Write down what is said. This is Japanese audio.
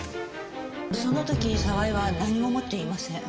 その時澤井は何も持っていません。